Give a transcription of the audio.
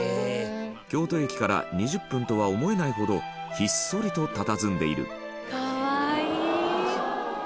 京都駅から２０分とは思えないほどひっそりと、たたずんでいる本仮屋：可愛い。